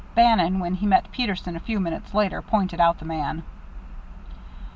Bannon, when he met Peterson a few minutes later, pointed out the man.